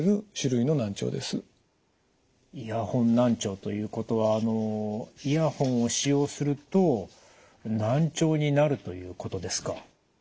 難聴ということはイヤホンを使用すると難聴になるということですか？